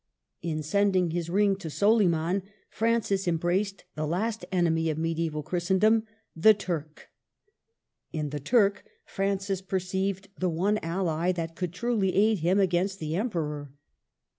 In sending his ring to Soliman, Francis embraced the last enemy of mediaeval Christendom, — the Turk. In the Turk Francis perceived the one ally that could truly aid him against the Emperor.